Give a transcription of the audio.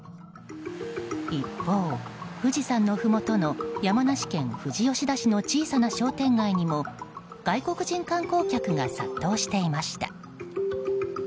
一方、富士山のふもとの山梨県富士吉田市の小さな商店街にも外国人観光客が殺到していました。